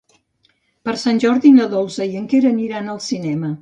Per Sant Jordi na Dolça i en Quer aniran al cinema.